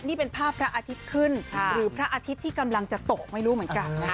นี่เป็นภาพพระอาทิตย์ขึ้นหรือพระอาทิตย์ที่กำลังจะตกไม่รู้เหมือนกันนะคะ